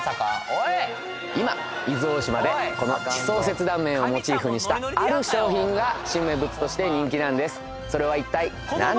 おい今伊豆大島でこの地層切断面をモチーフにしたある商品が新名物として人気なんですそれはいったいなんでしょう？